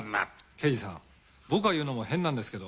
刑事さん僕が言うのも変なんですけど。